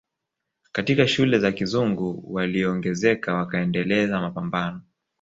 Katika shule za kizungu waliongezeka wakaendeleza Mapamabano